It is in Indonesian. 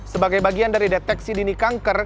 sebagai bagian dari deteksi dini kanker